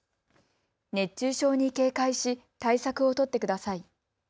熱中症に警戒し対策を取ってください。